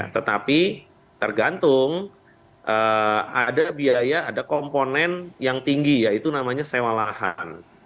tetapi tergantung ada biaya ada komponen yang tinggi yaitu namanya sewa lahan